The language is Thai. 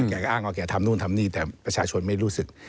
แกก็อ้างว่าแกทำนู่นทำนี่แต่ประชาชนไม่รู้สึก